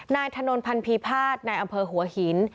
นายถนนพันธีภาษณ์ในอำเภอหัวหิน